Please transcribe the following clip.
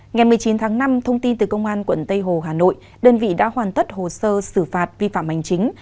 ngày một mươi chín tháng năm thông tin từ công an quận tây hồ hà nội đơn vị đã hoàn tất hồ sơ xử phạt vi phạm hành chính